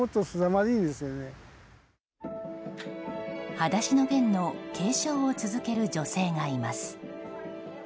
「はだしのゲン」の継承を続ける女性がいます。